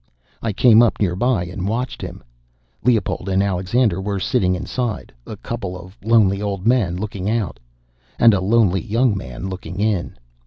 I came up nearby and watched him. Leopold and Alexander were sitting inside a couple of lonely old men looking out. And a lonely young man looking in.